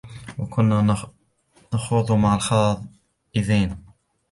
وَكُنَّا نَخُوضُ مَعَ الْخَائِضِينَ